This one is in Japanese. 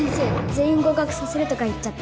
全員合格させるとか言っちゃって。